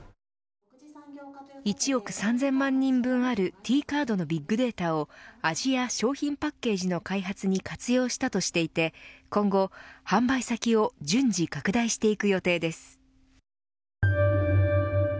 １億３０００万人分あるＴカードのビッグデータを味や商品パッケージの開発に活用したとしていて今後、販売先を順次拡大していく予定です。